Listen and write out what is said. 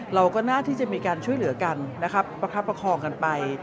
เราก็น่าที่จะมีการช่วยเหลือกันนะครับประคับประคองกันไป